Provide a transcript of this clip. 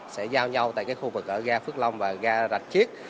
sẽ giao nhau tại cái khu vực ở ga phước long và ga rạch chiếc